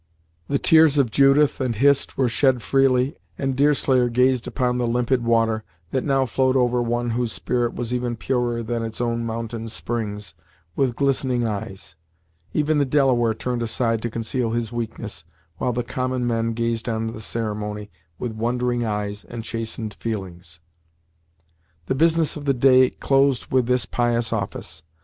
The tears of Judith and Hist were shed freely, and Deerslayer gazed upon the limpid water, that now flowed over one whose spirit was even purer than its own mountain springs, with glistening eyes. Even the Delaware turned aside to conceal his weakness, while the common men gazed on the ceremony with wondering eyes and chastened feelings. The business of the day closed with this pious office.